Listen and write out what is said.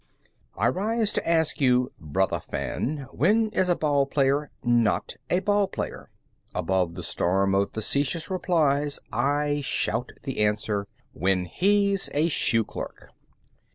I rise to ask you Brothah Fan, when is a ball player not a ball player? Above the storm of facetious replies I shout the answer: When he's a shoe clerk.